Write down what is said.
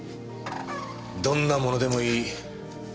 どんなものでもいい。